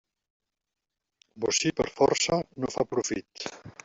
Bocí per força no fa profit.